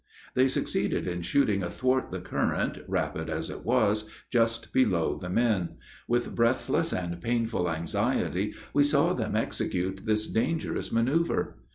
They succeeded in shooting athwart the current, rapid as it was, just below the men. With breathless and painful anxiety we saw them execute this dangerous manoeuver.